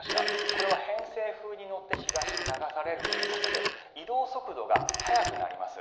これは偏西風に乗って東に流されるということで移動速度が速くなります。